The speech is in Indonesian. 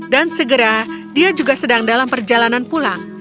dan segera dia juga sedang dalam perjalanan pulang